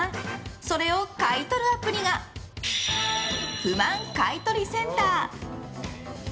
それを買い取るアプリが不満買取センター。